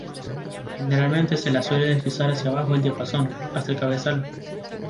Generalmente, se la suele deslizar hacia abajo del diapasón, hasta el cabezal.